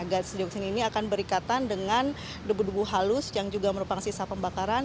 gas dioksin ini akan berikatan dengan debu debu halus yang juga merupakan sisa pembakaran